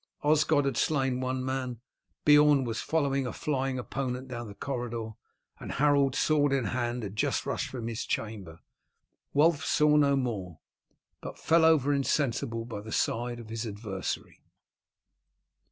Osgod had slain one man, Beorn was following a flying opponent down the corridor, and Harold, sword in hand, had just rushed from his chamber. Wulf saw no more, but fell over insensible by the side of his adversary.